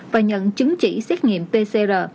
và nhận chứng chỉ xét nghiệm pcr